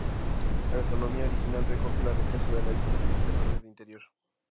La gastronomía original recoge la riqueza de la dieta mediterránea de interior.